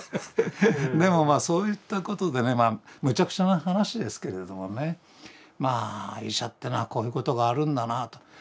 でもそういったことでねまあむちゃくちゃな話ですけれどもねまあ医者っていうのはこういうことがあるんだなあと。